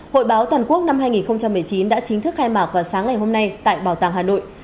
hội báo toàn quốc năm hai nghìn một mươi chín đã chính thức khai mạc vào sáng ngày hôm nay tại bảo tàng hà nội